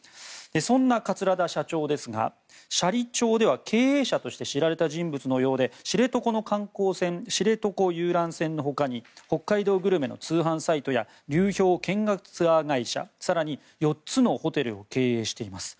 そんな桂田社長ですが斜里町では経営者として知られた人物のようで知床の観光船知床遊覧船のほかに北海道グルメの通販サイトや流氷見学ツアー会社更に４つのホテルを経営しています。